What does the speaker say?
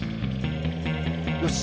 よし！